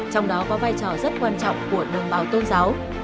trong đó có vai trò rất quan trọng của đồng bào tôn giáo